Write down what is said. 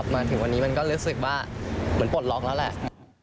มาถึงวันนี้มันก็รู้สึกว่าเหมือนปลดล็อกแล้วแหละ